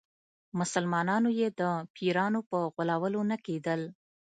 مسلمانانو یې د پیرانو په غولولو نه کېدل.